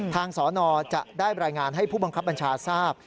สอนอจะได้รายงานให้ผู้บังคับบัญชาทราบ